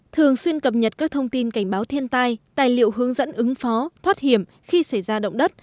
thường xuyên cập nhật các thông tin cảnh báo thiên tai tài liệu hướng dẫn ứng phó thoát hiểm khi xảy ra động đất